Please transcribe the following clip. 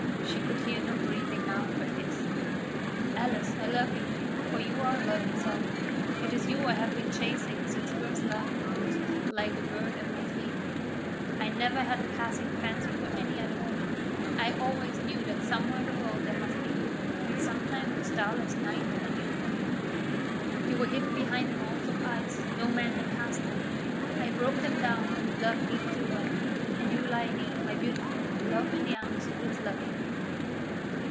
She could hear no breathing now but his. "Alice, I love you, for you are love itself; it is you I have been chasing since first love rose like a bird at my feet; I never had a passing fancy for any other woman; I always knew that somewhere in the world there must be you, and sometime this starless night and you for me. You were hidden behind walls of ice; no man had passed them; I broke them down and love leaped to love, and you lie here, my beautiful, love in the arms of its lover."